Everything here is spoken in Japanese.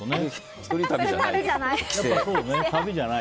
一人旅じゃない。